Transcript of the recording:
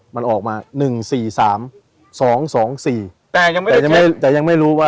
มันออกมาหนึ่งสี่สามสองสองสี่แต่ยังไม่ได้แต่ยังไม่รู้ว่า